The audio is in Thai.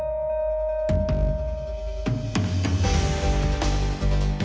มีความรู้สึกว่ามีความรู้สึกว่า